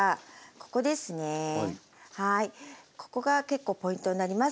ここが結構ポイントになります。